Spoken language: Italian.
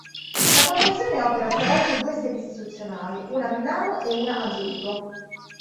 La Fondazione opera attraverso due sedi istituzionali, una a Milano e una a Zurigo.